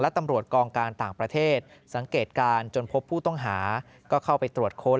ตำรวจกองการต่างประเทศสังเกตการณ์จนพบผู้ต้องหาก็เข้าไปตรวจค้น